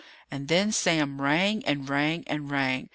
And then Sam rang, and rang, and rang.